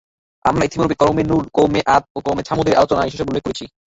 আমরা ইতিপূর্বে কওমে নূহ, কওমে আদ ও কওমে ছামূদ-এর আলোচনায় সেসব উল্লেখ করেছি।